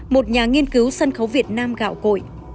một nhà nghiên cứu sân khấu việt nam gạo cội